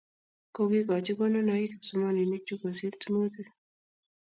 Kokikochi konunoik kipsomaninik che kosir tyemutik